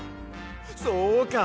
そうか！